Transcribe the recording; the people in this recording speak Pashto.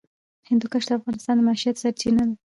هندوکش د افغانانو د معیشت سرچینه ده.